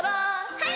はい！